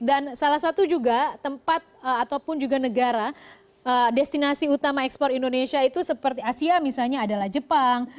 dan salah satu juga tempat ataupun juga negara destinasi utama ekspor indonesia itu seperti asia misalnya adalah jepang